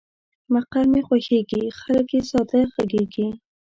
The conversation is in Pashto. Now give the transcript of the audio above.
مقر مې خوښېږي، خلګ یې ساده غږیږي.